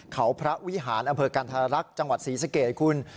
เขาพระวิหารอำเภอกันธรรักษ์จังหวัดศรีสเกตคุณ